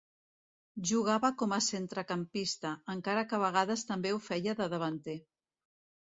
Jugava com a centrecampista, encara que a vegades també ho feia de davanter.